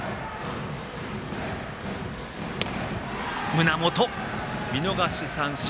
胸元、見逃し三振。